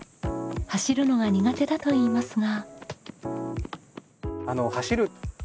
走るのが苦手だといいますが。